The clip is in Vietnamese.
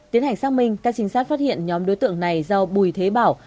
tiến hành xác minh các trinh sát phát hiện nhóm đối tượng này do bùi thế bảo